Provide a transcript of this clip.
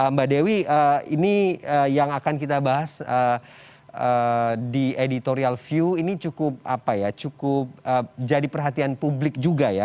mbak dewi ini yang akan kita bahas di editorial view ini cukup jadi perhatian publik juga ya